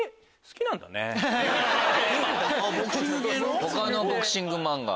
他のボクシング漫画は？